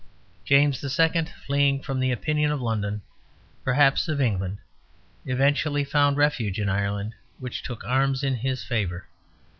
James II., fleeing from the opinion of London, perhaps of England, eventually found refuge in Ireland, which took arms in his favour.